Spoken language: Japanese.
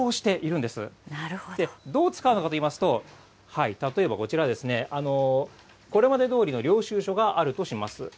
どう使うのかといいますと、例えばこちらですね、これまでどおりの領収書があるとします。